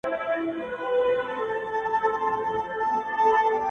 ستا د هيندارو په لاسونو کي به ځان ووينم.